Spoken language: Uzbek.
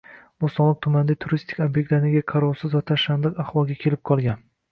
Bo‘stonliq tumanidagi turistik ob’ektlar nega qarovsiz va tashlandiq ahvolga kelib qolgan?